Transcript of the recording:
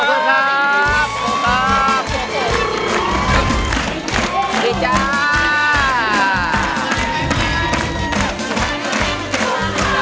สวัสดีนะครับแจ๋ว